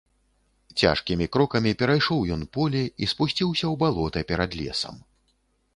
Цяжкімі крокамі перайшоў ён поле і спусціўся ў балота перад лесам.